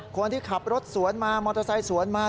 คนที่ขับรถสวนมามอเตอร์ไซค์สวนมา